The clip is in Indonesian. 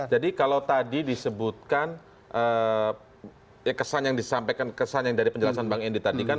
jadi kalau tadi disebutkan kesan yang disampaikan kesan yang dari penjelasan bang endi tadi kan